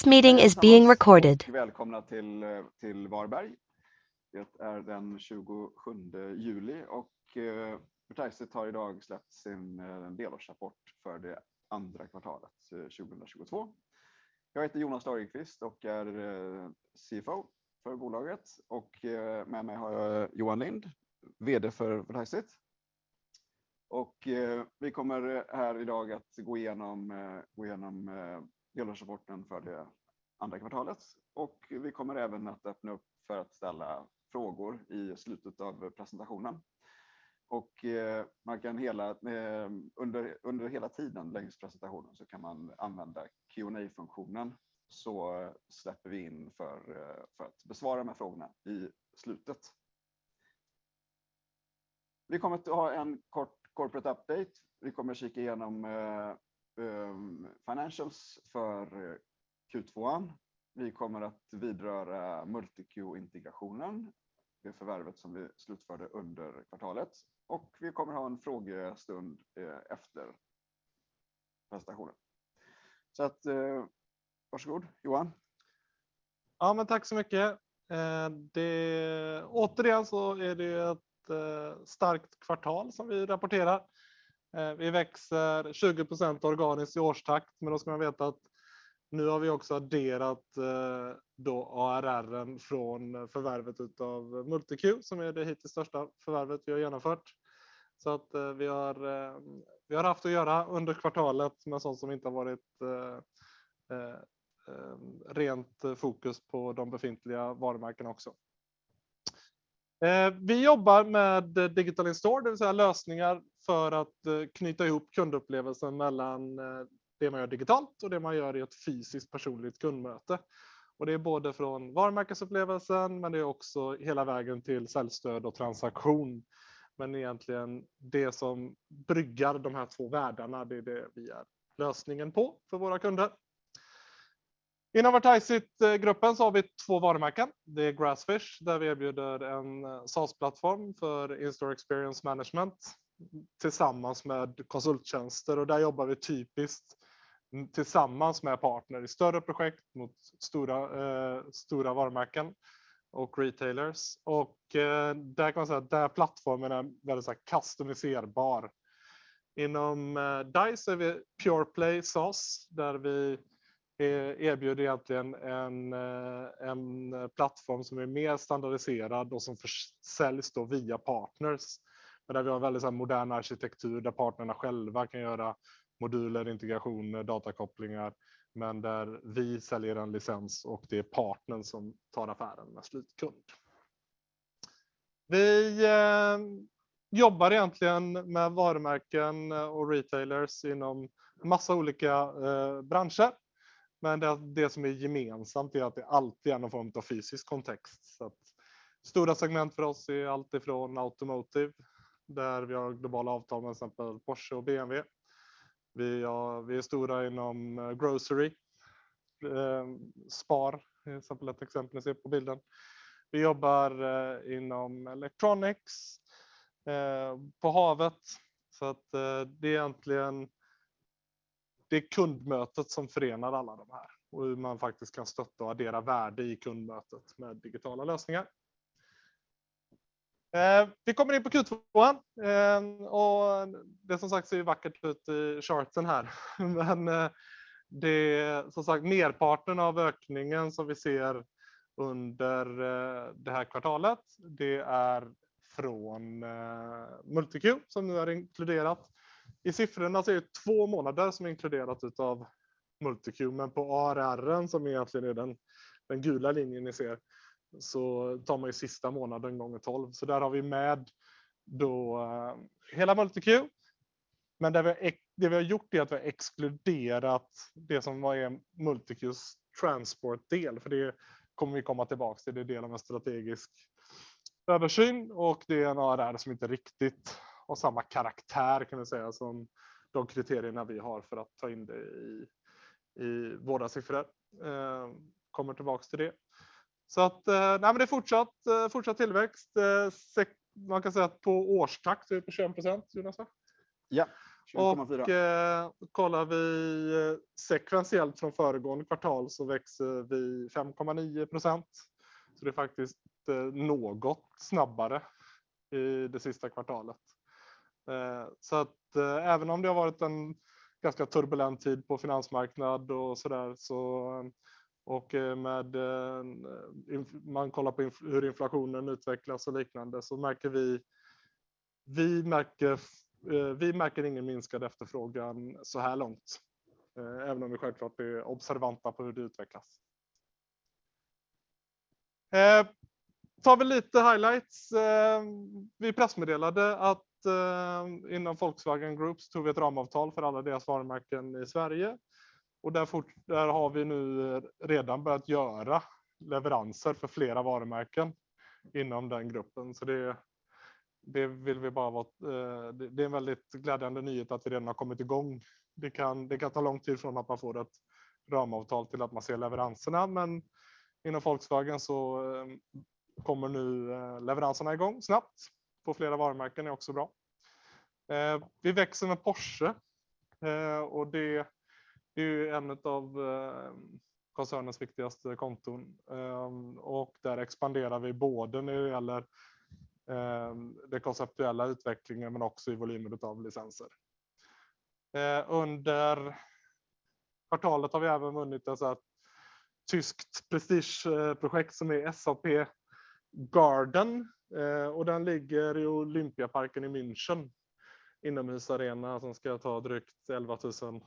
This meeting is being recorded. Välkomna till Varberg. Det är den tjugosjunde juli och Vertiseit har idag släppt sin delårsrapport för det andra kvartalet 2022. Jag heter Jonas Lagerqvist och är CFO för bolaget och med mig har jag Johan Lind, VD för Vertiseit. Vi kommer här idag att gå igenom delårsrapporten för det andra kvartalet. Vi kommer även att öppna upp för att ställa frågor i slutet av presentationen. Man kan hela under hela tiden längs presentationen så kan man använda Q&A-funktionen. Vi släpper in för att besvara de här frågorna i slutet. Vi kommer att ha en kort corporate update. Vi kommer att kika igenom financials för Q2. Vi kommer att vidröra MultiQ integrationen, det förvärvet som vi slutförde under kvartalet. Vi kommer att ha en frågestund efter presentationen. Varsågod, Johan. Ja men tack så mycket. Återigen så är det ett starkt kvartal som vi rapporterar. Vi växer 20% organiskt i årstakt, men då ska man veta att nu har vi också adderat ARR från förvärvet av MultiQ, som är det hittills största förvärvet vi har genomfört. Vi har haft att göra under kvartalet med sånt som inte har varit rent fokus på de befintliga varumärkena också. Vi jobbar med digital in-store, det vill säga lösningar för att knyta ihop kundupplevelsen mellan det man gör digitalt och det man gör i ett fysiskt personligt kundmöte. Det är både från varumärkesupplevelsen, men det är också hela vägen till säljstöd och transaktion. Egentligen det som bryggar de här två världarna, det är det vi är lösningen på för våra kunder. Inom Vertiseit-gruppen så har vi två varumärken. Det är Grassfish, där vi erbjuder en SaaS-plattform för in-store experience management tillsammans med konsulttjänster och där jobbar vi typiskt tillsammans med partner i större projekt mot stora varumärken och retailers. Där kan man säga att den här plattformen är väldigt såhär customiserbar. Inom Dise är vi pure-play SaaS, där vi erbjuder egentligen en plattform som är mer standardiserad och som försäljs då via partners. Där vi har väldigt modern arkitektur där partnerna själva kan göra moduler, integrationer, datakopplingar, men där vi säljer en licens och det är partnern som tar affären med slutkund. Vi jobbar egentligen med varumärken och retailers inom en massa olika branscher. Det som är gemensamt är att det alltid är någon form av fysisk kontext. Stora segment för oss är alltifrån automotive, där vi har globala avtal med till exempel Porsche och BMW. Vi är stora inom grocery. Spar är exempel, ett exempel ni ser på bilden. Vi jobbar inom electronics, på havet. Det är egentligen kundmötet som förenar alla de här och hur man faktiskt kan stötta och addera värde i kundmötet med digitala lösningar. Vi kommer in på Q2 och det som sagt ser ju vackert ut i charten här. Men det är som sagt merparten av ökningen som vi ser under det här kvartalet. Det är från MultiQ som nu är inkluderat. I siffrorna så är det två månader som är inkluderat utav MultiQ, men på ARR:en som egentligen är den gula linjen ni ser, så tar man ju sista månaden gånger tolv. Så där har vi med då hela MultiQ. Det vi har gjort är att vi har exkluderat det som var MultiQ:s transportdel, för det kommer vi komma tillbaka till. Det är en del av en strategisk översyn och det är en ARR som inte riktigt har samma karaktär kan vi säga som de kriterierna vi har för att ta in det i våra siffror. Kommer tillbaka till det. Nej men det är fortsatt tillväxt. Man kan säga att på årstakt så är vi på 21%, Jonas va? Ja, 20.4. Kollar vi sekventiellt från föregående kvartal så växer vi 5.9%. Det är faktiskt något snabbare i det sista kvartalet. Även om det har varit en ganska turbulent tid på finansmarknad och sådär, Man kollar på hur inflationen utvecklas och liknande, så märker vi ingen minskad efterfrågan såhär långt. Vi är självklart observanta på hur det utvecklas. Tar vi lite highlights. Vi pressmeddelade att inom Volkswagen Group tog vi ett ramavtal för alla deras varumärken i Sverige. Där har vi nu redan börjat göra leveranser för flera varumärken inom den gruppen. Det är en väldigt glädjande nyhet att vi redan har kommit i gång. Det kan ta lång tid från att man får ett ramavtal till att man ser leveranserna. Inom Volkswagen så kommer nu leveranserna i gång snabbt. På flera varumärken är också bra. Vi växer med Porsche och det är ju en utav koncernens viktigaste konton. Där expanderar vi både när det gäller den konceptuella utvecklingen men också i volymer utav licenser. Under kvartalet har vi även vunnit alltså ett tyskt prestigeprojekt som är SAP Garden och den ligger i Olympiaparken i München, inomhusarena som ska ta drygt 11,000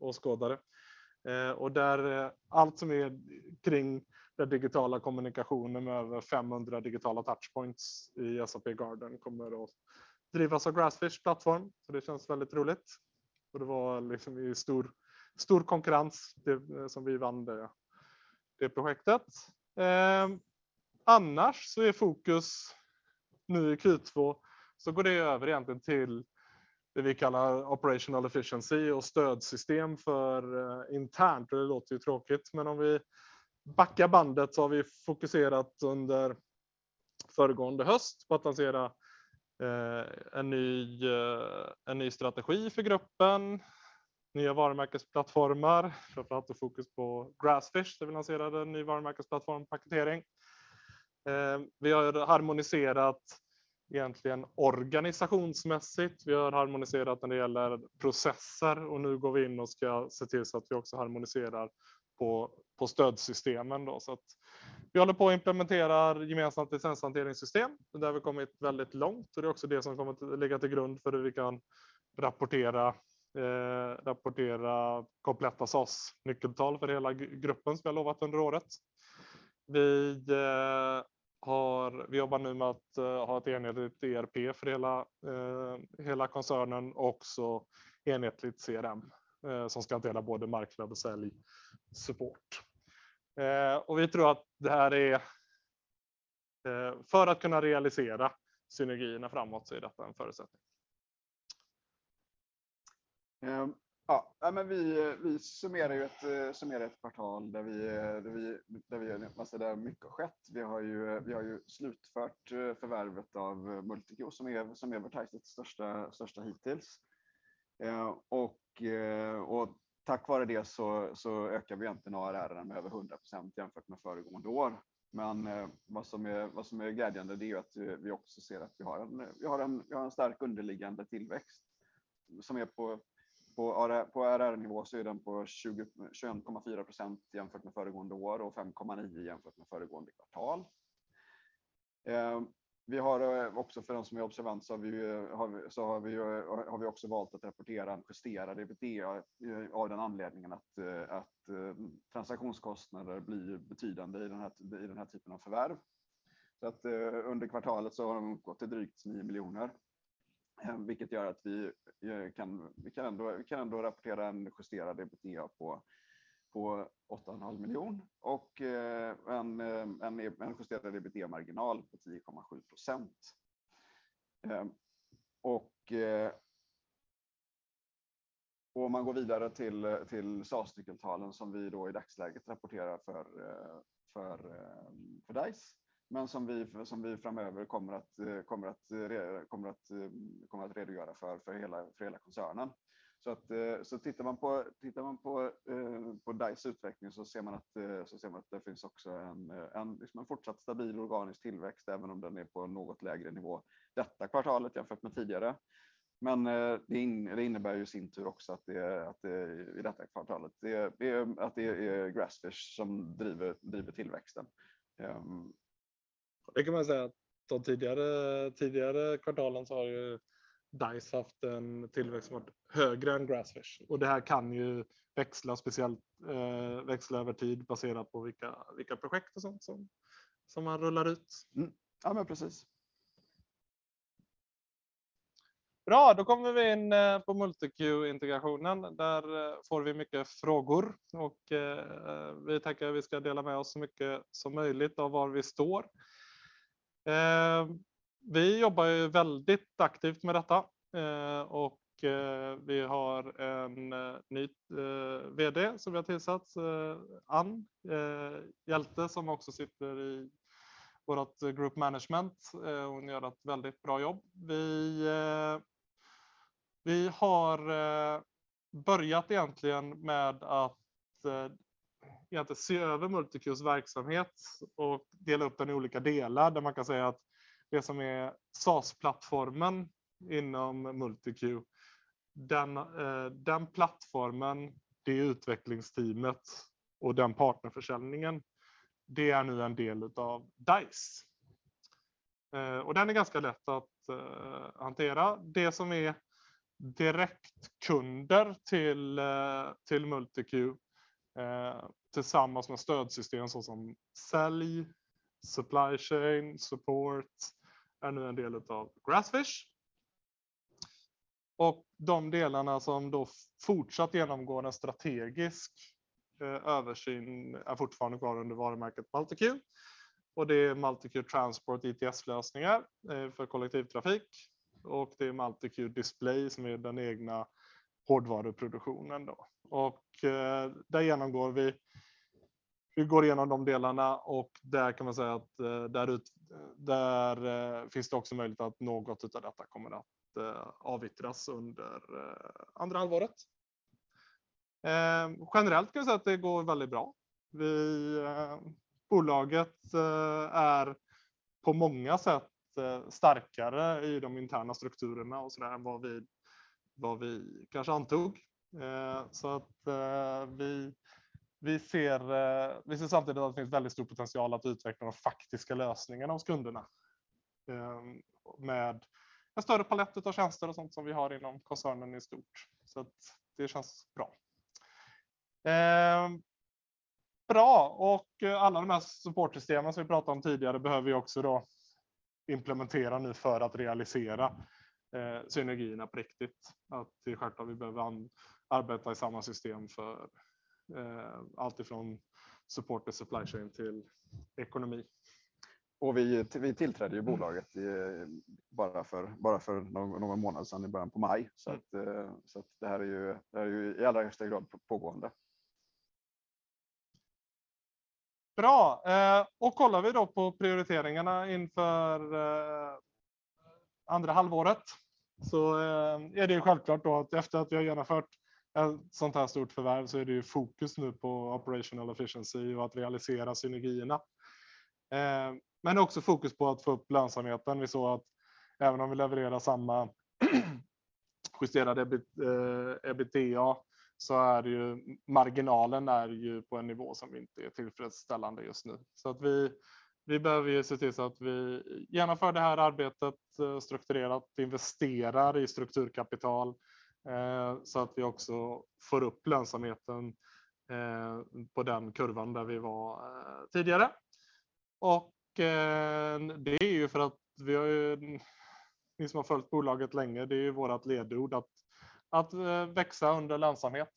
åskådare. Där allt som är kring den digitala kommunikationen med över 500 digitala touchpoints i SAP Garden kommer att drivas av Grassfishs plattform. Det känns väldigt roligt. Det var liksom stor konkurrens som vi vann det projektet. Annars är fokus nu i Q2 så går det över egentligen till det vi kallar operational efficiency och stödsystem för internt. Det låter ju tråkigt, men om vi backar bandet så har vi fokuserat under föregående höst på att lansera en ny strategi för gruppen, nya varumärkesplattformar, framför allt då fokus på Grassfish, där vi lanserade en ny varumärkesplattform och paketering. Vi har harmoniserat egentligen organisationsmässigt. Vi har harmoniserat när det gäller processer och nu går vi in och ska se till så att vi också harmoniserar på stödsystemen då. Så att vi håller på att implementerar gemensamt licenshanteringssystem. Där har vi kommit väldigt långt och det är också det som kommer att ligga till grund för hur vi kan rapportera kompletta SaaS-nyckeltal för hela gruppen som jag har lovat under året. Vi jobbar nu med att ha ett enhetligt ERP för hela koncernen och också enhetligt CRM som ska hantera både marknad och säljsupport. Vi tror att det här är för att kunna realisera synergierna framåt så är detta en förutsättning. Nej men vi summerar ju ett kvartal där mycket har skett. Vi har ju slutfört förvärvet av MultiQ som är Vertiseits största hittills. Tack vare det så ökar vi egentligen ARR med över 100% jämfört med föregående år. Men vad som är glädjande det är ju att vi också ser att vi har en stark underliggande tillväxt som är på ARR-nivå så är den på 21.4% jämfört med föregående år och 5.9% jämfört med föregående kvartal. Vi har också för den som är observant valt att rapportera en justerad EBITDA av den anledningen att transaktionskostnader blir betydande i den här typen av förvärv. Att under kvartalet har de gått till drygt SEK 9 miljoner, vilket gör att vi kan ändå rapportera en justerad EBITDA på SEK åtta och en halv miljon och en justerad EBITDA-marginal på 10.7%. Om man går vidare till SaaS-nyckeltalen som vi då i dagsläget rapporterar för Dise, men som vi framöver kommer att redogöra för hela koncernen. Tittar man på Dise utveckling ser man att det finns också en liksom en fortsatt stabil organisk tillväxt även om den är på en något lägre nivå detta kvartalet jämfört med tidigare. Men det innebär ju i sin tur också att det är i detta kvartalet att det är Grassfish som driver tillväxten. Det kan man säga att de tidigare kvartalen så har ju Dise haft en tillväxt som varit högre än Grassfish. Det här kan ju växla, speciellt växla över tid baserat på vilka projekt och sånt som man rullar ut. Ja, men precis. Bra, då kommer vi in på MultiQ-integrationen. Där får vi mycket frågor och vi tänker att vi ska dela med oss så mycket som möjligt av var vi står. Vi jobbar ju väldigt aktivt med detta och vi har en ny vd som vi har tillsatt, Ann Hjälte, som också sitter i vårt Group Management. Hon gör ett väldigt bra jobb. Vi har börjat med att se över MultiQs verksamhet och dela upp den i olika delar, där man kan säga att det som är SaaS-plattformen inom MultiQ, den plattformen, det utvecklingsteamet och den partnerförsäljningen, det är nu en del av Dise. Och den är ganska lätt att hantera. Det som är direktkunder till MultiQ tillsammans med stödsystem såsom sälj, supply chain, support är nu en del av Grassfish. Och de delarna som då fortsatt genomgår en strategisk översyn är fortfarande kvar under varumärket MultiQ. Det är MultiQ Transport ITS-lösningar för kollektivtrafik och det är MultiQ Display som är den egna hårdvaruproduktionen då. Där genomgår vi Vi går igenom de delarna och där kan man säga att där finns det också möjligt att något utav detta kommer att avyttras under andra halvåret. Generellt kan vi säga att det går väldigt bra. Bolaget är på många sätt starkare i de interna strukturerna och sådär än vad vi kanske antog. Vi ser samtidigt att det finns väldigt stor potential att utveckla de faktiska lösningarna hos kunderna. Med en större palett utav tjänster och sånt som vi har inom koncernen i stort. Det känns bra. Bra, och alla de här supportsystemen som vi pratade om tidigare behöver vi också då implementera nu för att realisera synergierna på riktigt. Det är självklart att vi behöver arbeta i samma system för allt ifrån support och supply chain till ekonomi. Vi tillträdde ju bolaget bara för någon månad sedan i början på maj. Så att det här är ju i allra högsta grad pågående. Bra. Kollar vi då på prioriteringarna inför andra halvåret så är det självklart att efter att vi har genomfört ett sånt här stort förvärv så är det fokus nu på operational efficiency och att realisera synergierna. Också fokus på att få upp lönsamheten. Vi såg att även om vi levererar samma justerade EBITDA så är ju marginalen på en nivå som inte är tillfredsställande just nu. Vi behöver se till så att vi genomför det här arbetet strukturerat, investerar i strukturkapital så att vi också får upp lönsamheten på den kurvan där vi var tidigare. Det är ju för att vi har ju, ni som har följt bolaget länge, det är ju vårt ledord att växa under lönsamhet.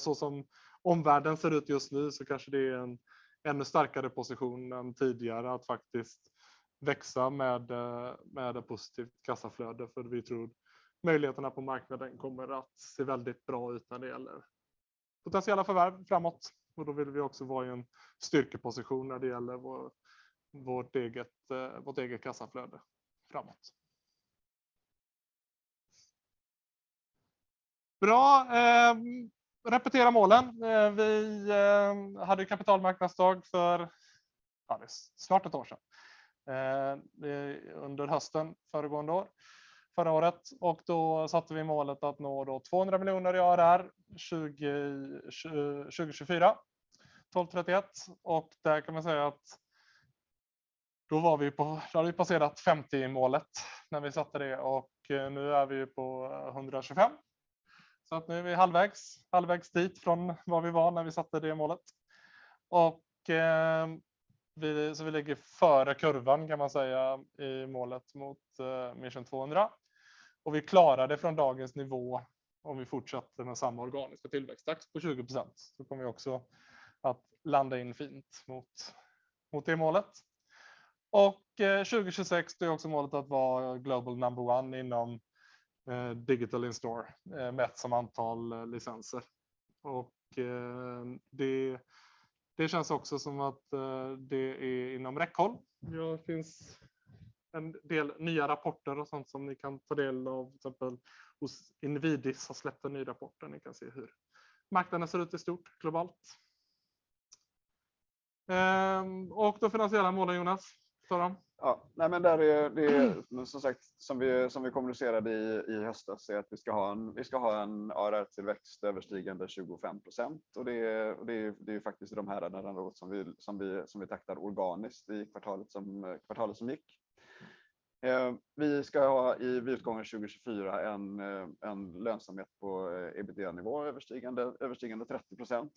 Som omvärlden ser ut just nu så kanske det är en ännu starkare position än tidigare att faktiskt växa med ett positivt kassaflöde. För vi tror möjligheterna på marknaden kommer att se väldigt bra ut när det gäller potentiella förvärv framåt. Då vill vi också vara i en styrkeposition när det gäller vårt eget kassaflöde framåt. Bra, repeterar målen. Vi hade kapitalmarknadsdag, det är snart ett år sedan. Under hösten föregående år, förra året. Då satte vi målet att nå SEK 200 miljoner i ARR 2024, 12/31. Där kan man säga att då var vi på, då hade vi passerat SEK 50 miljoner i målet när vi satte det och nu är vi på SEK 125 miljoner. Att nu är vi halvvägs dit från var vi var när vi satte det målet. Vi, så vi ligger före kurvan kan man säga i målet mot mer än 200. Vi klarar det från dagens nivå om vi fortsätter med samma organiska tillväxttakt på 20%. Vi kommer också att landa in fint mot det målet. 2026, det är också målet att vara global number one inom digital in-store mätt som antal licenser. Det känns också som att det är inom räckhåll. Det finns en del nya rapporter och sånt som ni kan ta del av. Till exempel invidis har släppt en ny rapport där ni kan se hur marknaden ser ut i stort globalt. De finansiella målen, Jonas, ta dem. Där är det som sagt som vi kommunicerade i höstas är att vi ska ha en ARR-tillväxt överstigande 25%. Det är faktiskt de här som vi taktade organiskt i kvartalet som gick. Vi ska ha i utgången 2024 en lönsamhet på EBITDA-nivå överstigande 30%.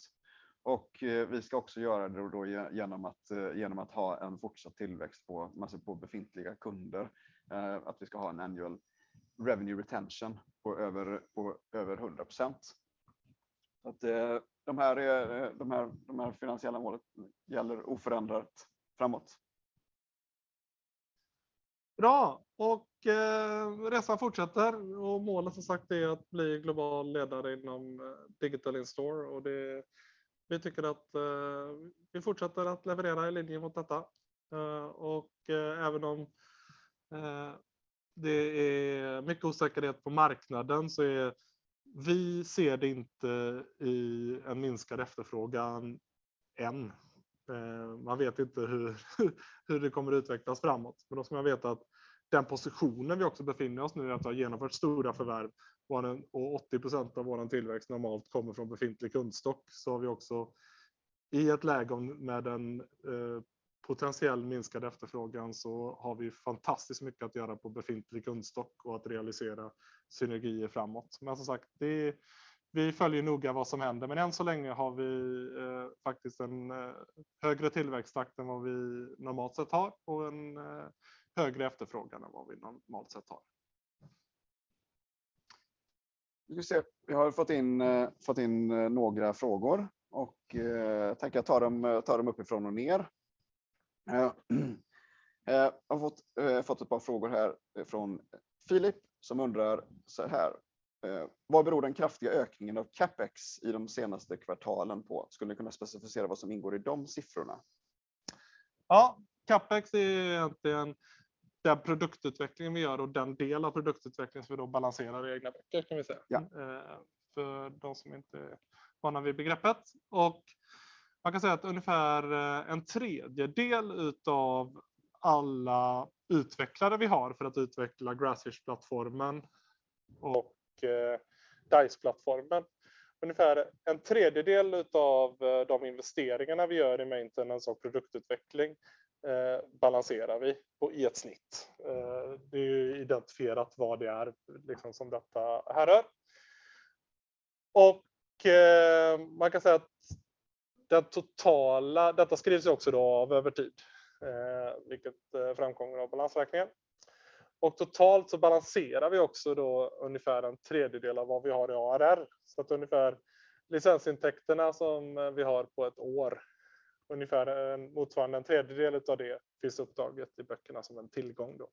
Vi ska också göra det genom att ha en fortsatt tillväxt på befintliga kunder, att vi ska ha en Annual Revenue Retention på över 100%. De här finansiella målen gäller oförändrat framåt. Bra och resan fortsätter och målet som sagt är att bli global ledare inom Digital In-store. Det, vi tycker att vi fortsätter att leverera i linje mot detta. Även om det är mycket osäkerhet på marknaden, vi ser det inte i en minskad efterfrågan än. Man vet inte hur det kommer utvecklas framåt. Då ska man veta att den positionen vi också befinner oss nu är att vi har genomfört stora förvärv och 80% av vår tillväxt normalt kommer från befintlig kundstock. Har vi också i ett läge med en potentiell minskad efterfrågan så har vi fantastiskt mycket att göra på befintlig kundstock och att realisera synergier framåt. Som sagt, det, vi följer noga vad som händer. Än så länge har vi faktiskt en högre tillväxttakt än vad vi normalt sett har och en högre efterfrågan än vad vi normalt sett har. Då ska vi se. Vi har fått in några frågor och jag tänker ta dem uppifrån och ner. Ja, jag har fått ett par frågor här från Filip som undrar såhär: "Vad beror den kraftiga ökningen av CapEx i de senaste kvartalen på? Skulle ni kunna specificera vad som ingår i de siffrorna? Ja, CapEx är egentligen den produktutvecklingen vi gör och den del av produktutvecklingen som vi då balanserar i egna böcker kan vi säga. Ja. För de som inte är vana vid begreppet. Man kan säga att ungefär en tredjedel utav alla utvecklare vi har för att utveckla Grassfish-plattformen och Dise-plattformen. Ungefär en tredjedel utav de investeringarna vi gör i maintenance och produktutveckling balanserar vi på i ett snitt. Det är identifierat vad det är, liksom, som detta härrör. Man kan säga att den totala, detta skrivs ju också då av över tid, vilket framkommer av balansräkningen. Totalt så balanserar vi också då ungefär en tredjedel av vad vi har i ARR. Ungefär licensintäkterna som vi har på ett år, ungefär motsvarande en tredjedel utav det finns upptaget i böckerna som en tillgång då.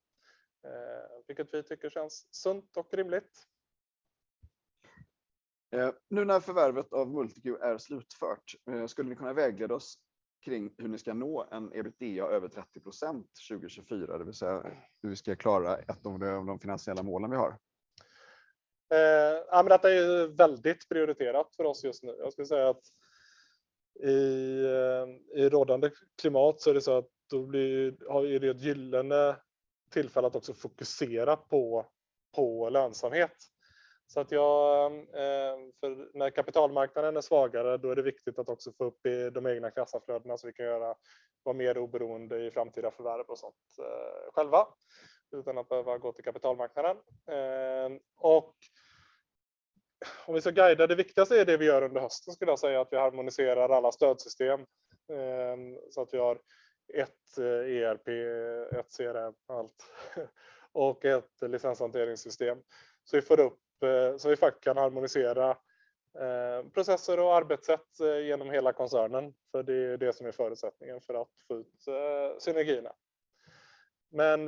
Vilket vi tycker känns sunt och rimligt. Nu när förvärvet av MultiQ är slutfört, skulle ni kunna vägleda oss kring hur ni ska nå en EBITDA över 30% 2024? Det vill säga hur vi ska klara ett av de finansiella målen vi har. Detta är ju väldigt prioriterat för oss just nu. Jag skulle säga att i rådande klimat så är det så att det har ju ett gyllene tillfälle att också fokusera på lönsamhet. När kapitalmarknaden är svagare, då är det viktigt att också få upp de egna kassaflödena så vi kan vara mer oberoende i framtida förvärv och sånt själva, utan att behöva gå till kapitalmarknaden. Om vi ska guida det viktigaste är det vi gör under hösten skulle jag säga att vi harmoniserar alla stödsystem. Vi har ett ERP, ett CRM, allt och ett licenshanteringssystem. Vi får upp så vi faktiskt kan harmonisera processer och arbetssätt genom hela koncernen. För det är ju det som är förutsättningen för att få ut synergierna.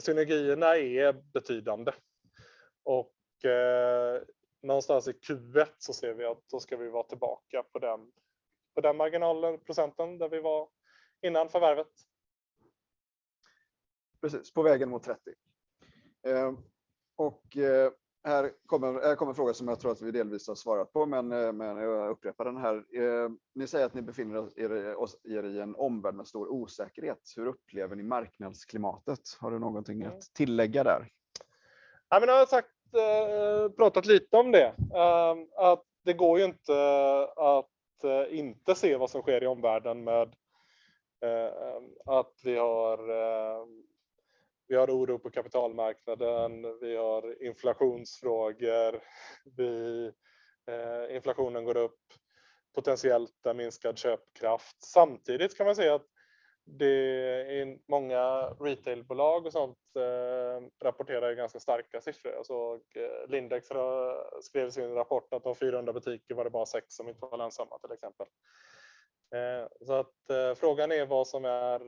Synergierna är betydande och någonstans i Q1 så ser vi att då ska vi vara tillbaka på den marginalen, procenten där vi var innan förvärvet. Precis, på vägen mot 30. Här kommer en fråga som jag tror att vi delvis har svarat på, men jag upprepar den här. Ni säger att ni befinner er i en omvärld med stor osäkerhet. Hur upplever ni marknadsklimatet? Har du någonting att tillägga där? Nej, jag har sagt, pratat lite om det. Att det går ju inte att inte se vad som sker i omvärlden med att vi har oro på kapitalmarknaden, vi har inflationsfrågor, inflationen går upp, potentiellt en minskad köpkraft. Samtidigt kan man säga att det är många retailbolag och sånt, rapporterar ju ganska starka siffror. Jag såg Lindex skrev i sin rapport att av 400 butiker var det bara sex som inte var lönsamma, till exempel. Frågan är vad som är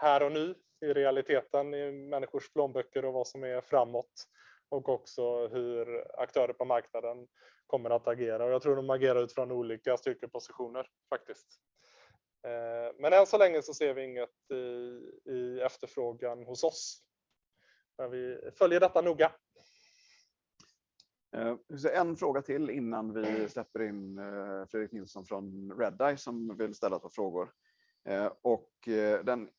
här och nu i realiteten i människors plånböcker och vad som är framåt och också hur aktörer på marknaden kommer att agera. Jag tror de agerar utifrån olika styrkepositioner faktiskt. Än så länge ser vi inget i efterfrågan hos oss. Vi följer detta noga. Vi ska se, en fråga till innan vi släpper in Fredrik Nilsson från Redeye som vill ställa ett par frågor. Den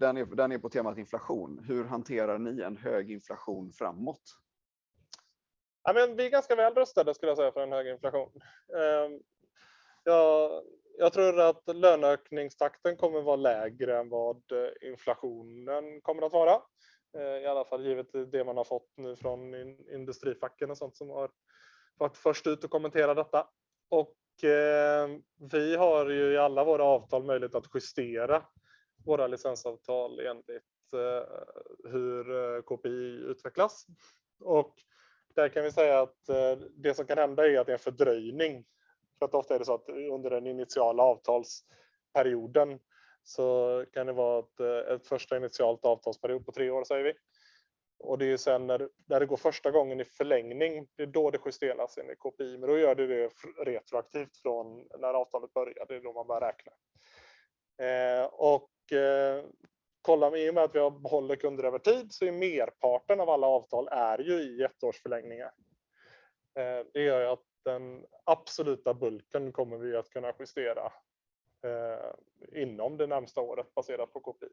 är på temat inflation. Hur hanterar ni en hög inflation framåt? Ja, vi är ganska välrustade skulle jag säga för en hög inflation. Jag tror att löneökningstakten kommer vara lägre än vad inflationen kommer att vara. I alla fall givet det man har fått nu från industrifacken och sånt som har varit först ut och kommenterat detta. Vi har ju i alla våra avtal möjlighet att justera våra licensavtal enligt hur KPI utvecklas. Där kan vi säga att det som kan hända är att det är en fördröjning. För att ofta är det så att under den initiala avtalsperioden så kan det vara ett första initialt avtalsperiod på tre år säger vi. Det är sen när det går första gången i förlängning, det är då det justeras enligt KPI, men då gör du det retroaktivt från när avtalet började. Det är då man börjar räkna. Kollar vi i och med att vi behåller kunder över tid så är merparten av alla avtal ju i ettårsförlängningar. Det gör ju att den absoluta bulken kommer vi att kunna justera inom det närmsta året baserat på KPI.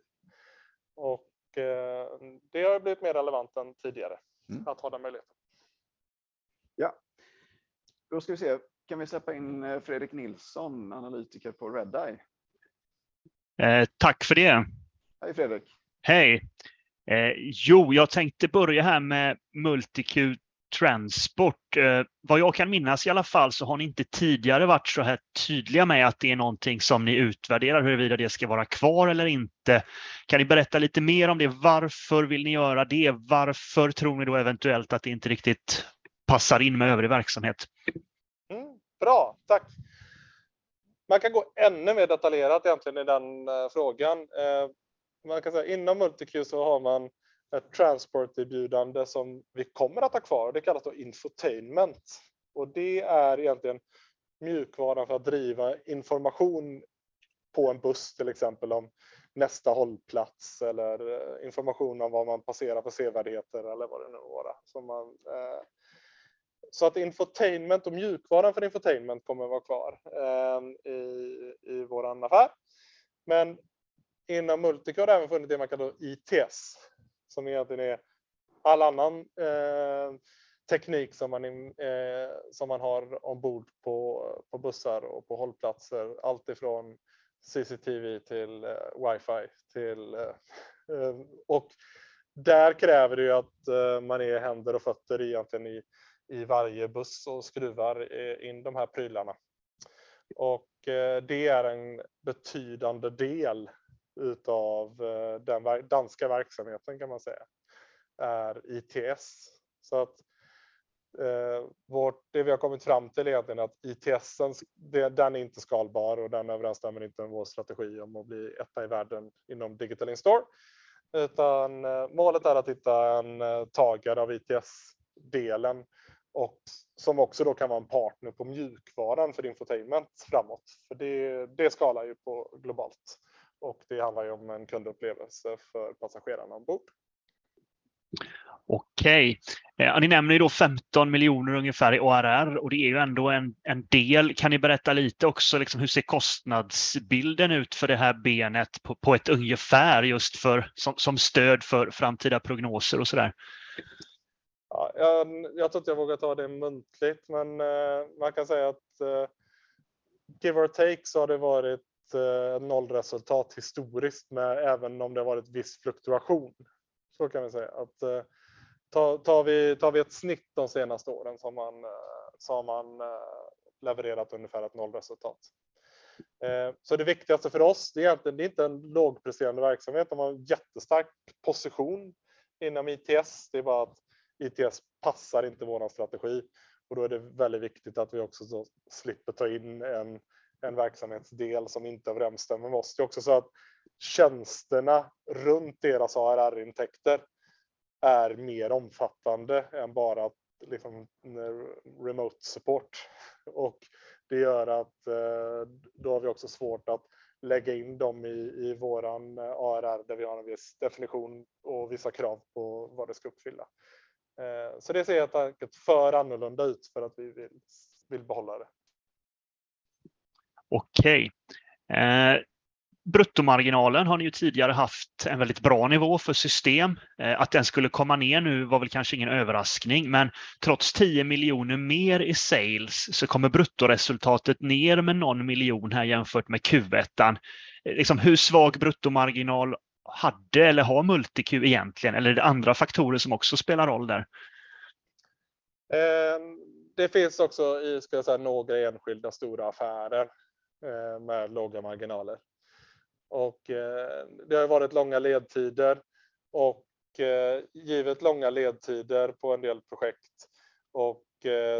Det har blivit mer relevant än tidigare att ha den möjligheten. Ja. Då ska vi se. Kan vi släppa in Fredrik Nilsson, analytiker på Redeye? Tack för det. Hej, Fredrik. Hej. Jo, jag tänkte börja här med MultiQ Transport. Vad jag kan minnas i alla fall så har ni inte tidigare varit så här tydliga med att det är någonting som ni utvärderar, huruvida det ska vara kvar eller inte. Kan ni berätta lite mer om det? Varför vill ni göra det? Varför tror ni då eventuellt att det inte riktigt passar in med övrig verksamhet? Bra, tack. Man kan gå ännu mer detaljerat egentligen i den frågan. Man kan säga inom MultiQ så har man ett transport erbjudande som vi kommer att ha kvar. Det kallas då Infotainment och det är egentligen mjukvaran för att driva information på en buss, till exempel om nästa hållplats eller information om vad man passerar för sevärdheter eller vad det nu vara. Så att Infotainment och mjukvaran för Infotainment kommer att vara kvar i vår affär. Men inom MultiQ har även funnits det man kallar ITS, som egentligen är all annan teknik som man har ombord på bussar och på hållplatser. Allt ifrån CCTV till WiFi till. Och där kräver det ju att man är händer och fötter egentligen i varje buss och skruvar in de här prylarna. Och det är en betydande del av den danska verksamheten kan man säga, är ITS. Att vårt, det vi har kommit fram till är egentligen att ITS:en, den är inte skalbar och den överensstämmer inte med vår strategi om att bli etta i världen inom Digital In-store. Målet är att hitta en tagare av ITS-delen och som också då kan vara en partner på mjukvaran för Infotainment framåt. För det skalar ju på globalt och det handlar ju om en kundupplevelse för passagerarna ombord. Okej, ni nämner ju då SEK 15 miljoner ungefär i ARR och det är ju ändå en del. Kan ni berätta lite också, hur ser kostnadsbilden ut för det här benet på ett ungefär just för som stöd för framtida prognoser och sådär? Ja, jag tror inte jag vågar ta det muntligt, men man kan säga att give or take så har det varit nollresultat historiskt med även om det har varit viss fluktuation. Kan vi säga att tar vi ett snitt de senaste åren så har man levererat ungefär ett nollresultat. Det viktigaste för oss, det är egentligen, det är inte en lågpresterande verksamhet. De har en jättestark position inom ITS. Det är bara att ITS passar inte vår strategi och då är det väldigt viktigt att vi också slipper ta in en verksamhetsdel som inte överensstämmer med oss. Det är också så att tjänsterna runt deras ARR-intäkter är mer omfattande än bara remote support. Det gör att då har vi också svårt att lägga in dem i vår ARR där vi har en viss definition och vissa krav på vad det ska uppfylla. Det ser helt enkelt för annorlunda ut för att vi vill behålla det. Okej. Bruttomarginalen har ni ju tidigare haft en väldigt bra nivå för system. Att den skulle komma ner nu var väl kanske ingen överraskning, men trots SEK 10 miljoner mer i sales så kommer bruttoresultatet ner med SEK någon miljon här jämfört med Q1. Liksom hur svag bruttomarginal hade eller har MultiQ egentligen? Eller är det andra faktorer som också spelar roll där? Det finns också ska jag säga några enskilda stora affärer med låga marginaler. Det har ju varit långa leadtider och givet långa leadtider på en del projekt och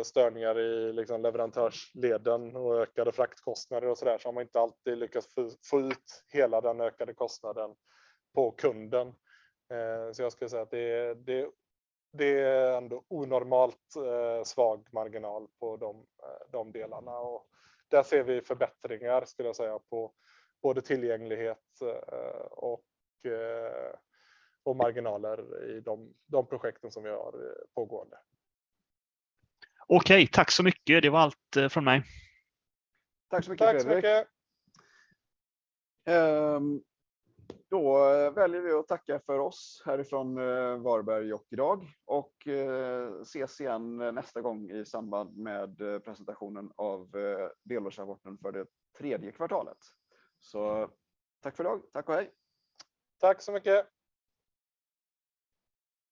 störningar i liksom leverantörskedjan och ökade fraktkostnader och sådär. Har man inte alltid lyckats få ut hela den ökade kostnaden på kunden. Jag skulle säga att det är ändå onormalt svag marginal på de delarna. Där ser vi förbättringar skulle jag säga på både tillgänglighet och marginaler i de projekten som vi har pågående. Okej, tack så mycket. Det var allt från mig. Tack så mycket. Tack så mycket. Då väljer vi att tacka för oss härifrån Varberg och idag och ses igen nästa gång i samband med presentationen av delårsrapporten för det tredje kvartalet. Så tack för i dag. Tack och hej. Tack så mycket.